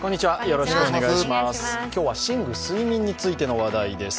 今日は寝具、睡眠についての話題です。